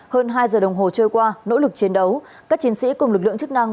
hơn hai giờ đồng hồ trôi qua nỗ lực chiến đấu các chiến sĩ cùng lực lượng chức năng